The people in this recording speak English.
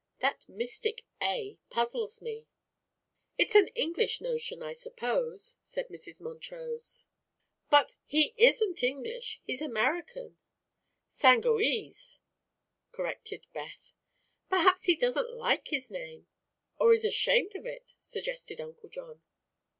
That mystic 'A' puzzles me." "It's an English notion, I suppose," said Mrs. Montrose. "But he isn't English; he's American." "Sangoese," corrected Beth. "Perhaps he doesn't like his name, or is ashamed of it," suggested Uncle John.